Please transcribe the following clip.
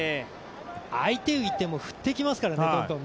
相手がいても振ってきますからね。